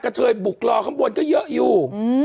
เทยบุกรอข้างบนก็เยอะอยู่